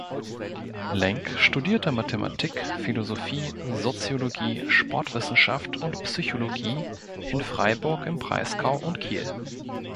Lenk studierte Mathematik, Philosophie, Soziologie, Sportwissenschaft, und Psychologie in Freiburg im Breisgau und Kiel.